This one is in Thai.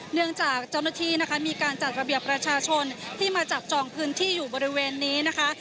จากเจ้าหน้าที่นะคะมีการจัดระเบียบประชาชนที่มาจับจองพื้นที่อยู่บริเวณนี้นะคะ